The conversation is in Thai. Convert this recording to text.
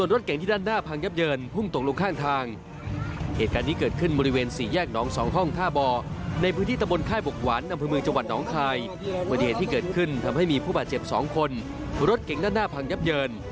รถเก๋งด้านหน้าพังยับเยิน